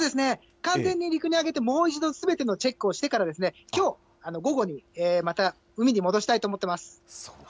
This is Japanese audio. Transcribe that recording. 完全に陸に揚げて、もう一度、すべてのチェックをしてからですね、きょう午後にまた海に戻したいとそうか。